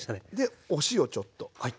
でお塩ちょっと。